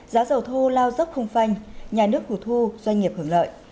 giá dầu thô lao dốc không phanh nhà nước hù thu doanh nghiệp hưởng lợi